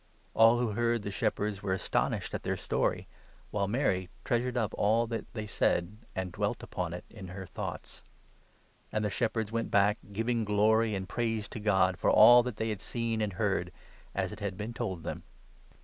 All who 18 heard the shepherds were astonished at their story, while Mary 19 treasured up all that they said, and dwelt upon it in her thoughts. And the shepherds went back, giving glory and 20 praise to God for all that they had heard and seen, as it had been told them.